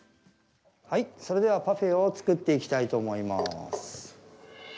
はいそれではパフェを作っていきたいと思います。